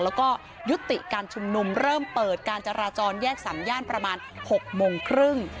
แล้วก็ยุติการชุมนุมเริ่มเปิดการจราจรแยกสามย่านประมาณ๖โมงครึ่ง